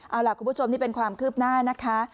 เอาล่ะคุณผู้ชมนี่เป็นความคืบหน้านะคะ